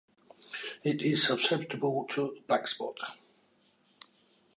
It is susceptible to blackspot.